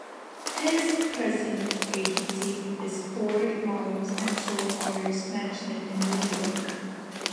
His present agency is Ford Models and Soul Artist Management in New York.